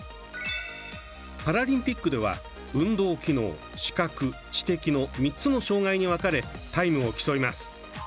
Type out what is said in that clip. パラリンピックでは運動機能、視覚、知的の３つの障がいに分かれタイムを競います。